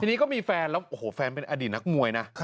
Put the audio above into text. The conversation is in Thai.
ทีนี้ก็มีแฟนแล้วโอ้โหแฟนเป็นอดีตนักมวยนะ